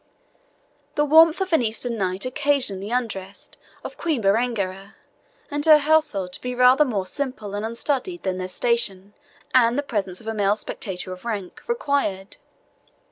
The warmth of an Eastern night occasioned the undress of Queen Berengaria and her household to be rather more simple and unstudied than their station, and the presence of a male spectator of rank, required.